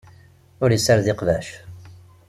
Ur yessared iqbac.